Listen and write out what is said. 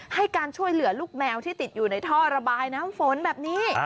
ให้การช่วยเหลือลูกแมวที่ติดอยู่ในท่อระบายน้ำฝนแบบนี้